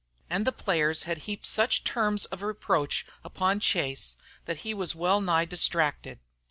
And the players had heaped such terms of reproach upon Chase that he was well nigh distracted.